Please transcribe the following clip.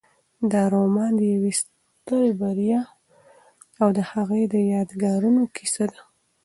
دا رومان د یوې سترې بریا او د هغې د یادګارونو کیسه ده.